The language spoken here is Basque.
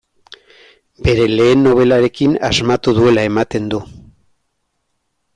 Bere lehen nobelarekin asmatu duela ematen du.